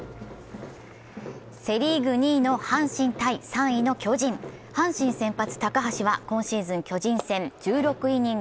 セ・リーグ２位の阪神対３位の巨人阪神先発・高橋は今シーズン巨人戦１６イニング